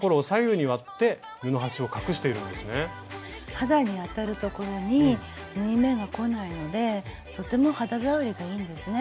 肌に当たる所に縫い目がこないのでとても肌触りがいいんですね。